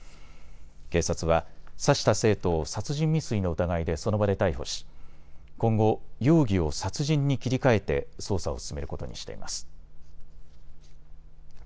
警察は刺した生徒を殺人未遂の疑いでその場で逮捕し今後、容疑を殺人に切り替えて捜査を進めることにしています。